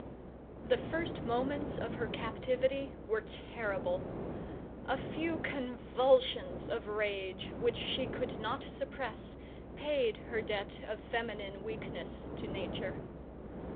The first moments of her captivity were terrible; a few convulsions of rage which she could not suppress paid her debt of feminine weakness to nature.